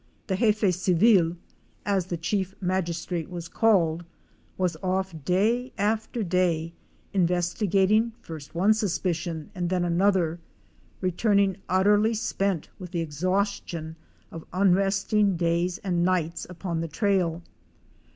The Jefe civil, as the chief magistrate was called, was off day after day investiga ting first one suspicion and then another, returning utterly spent with the exhaustion of unresting days and nights upon the trail.